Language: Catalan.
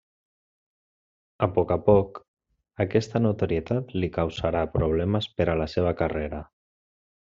A poc a poc, aquesta notorietat li causarà problemes per a la seva carrera.